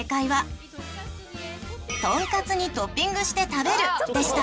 とんかつにトッピングして食べるでした。